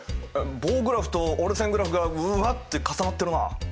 棒グラフと折れ線グラフがブワッて重なってるな。